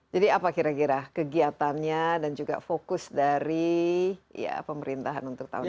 jadi apa kira kira kegiatannya dan juga fokus dari pemerintahan untuk tahun ini